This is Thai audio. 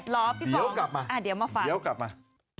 ร้อนพี่ฟองอ่าเดี๋ยวมาฟังเดี๋ยวกลับมา